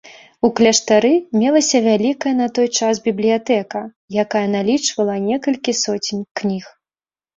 У кляштары мелася вялікая на той час бібліятэка, якая налічвала некалькі соцень кніг.